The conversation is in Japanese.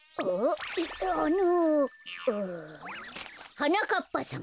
「はなかっぱさま